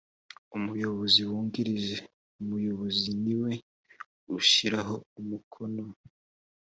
ubuyobozi bwungirije umuyobozi niwe ushyira umukono